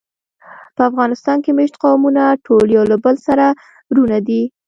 په افغانستان کې مېشت قومونه ټول یو له بله سره وروڼه دي.